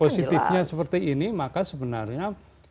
positifnya seperti ini maka sebenarnya